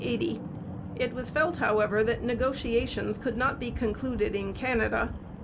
It was felt, however, that negotiations could not be concluded in Canada.